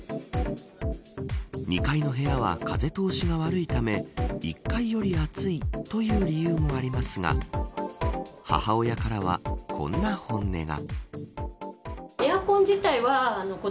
２階の部屋は風通しが悪いため１階より暑いという理由もありますが母親からはこんな本音が。